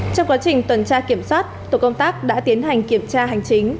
trong quá trình tuần tra kiểm soát tổ công tác đã tiến hành kiểm tra hành chính